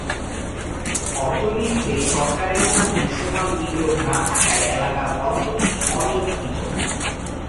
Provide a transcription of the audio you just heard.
অর্থনীতিতে সরকারের কোন দৃশ্যমান বিনিয়োগ না থাকায় এলাকার অর্থনীতি অনিয়ন্ত্রিত।